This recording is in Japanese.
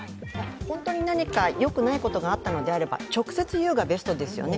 本当に何かよくないことがあったのであれば直接言うのがベストですよね。